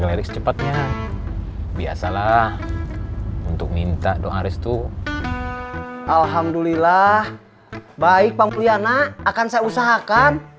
gledek secepatnya biasalah untuk minta doa restu alhamdulillah baik pamuliana akan saya usahakan